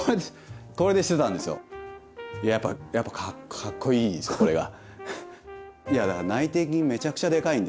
いややっぱかっこいいですこれが。